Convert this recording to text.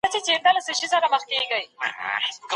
د مجاهدینو وار تل پر کفر باندي بریالی وو.